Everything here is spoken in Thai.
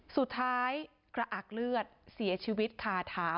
สุดท้ายกระอักเลือดเสียชีวิตคาเท้า